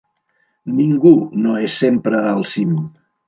Ningú no és sempre al cim.